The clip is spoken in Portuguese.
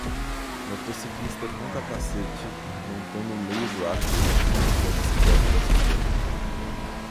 Motociclista com capacete, montando um meio do ar verde da bicicleta da sujeira.